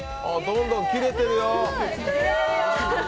どんどん切れてるよ。